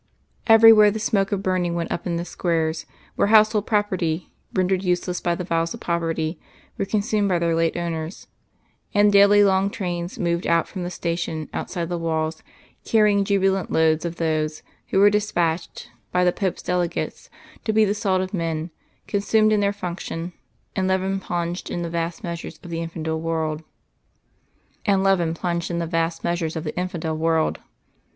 Everywhere the smoke of burning went up in the squares where household property, rendered useless by the vows of poverty, were consumed by their late owners; and daily long trains moved out from the station outside the walls carrying jubilant loads of those who were despatched by the Pope's delegates to be the salt of men, consumed in their function, and leaven plunged in the vast measures of the infidel world.